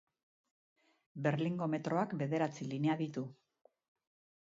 Berlingo metroak bederatzi linea ditu.